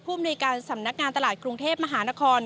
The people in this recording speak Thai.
ผู้มนุภ์การสำนักงานตลาดกรุงเทพฯมหานคร